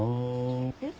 えっ？